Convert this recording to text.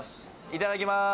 いただきます